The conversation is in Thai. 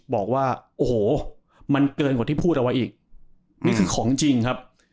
บอกว่าโอ้โหมันเกินกว่าที่พูดเอาไว้อีกนี่คือของจริงครับ